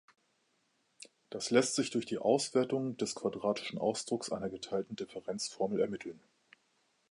Das lässt sich durch die Auswertung des quadratischen Ausdrucks einer geteilten Differenzformel ermitteln.